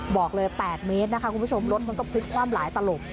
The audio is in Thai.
บอกเลย๘เมตรนะคะคุณผู้ชมรถมันก็พลิกคว่ำหลายตลบ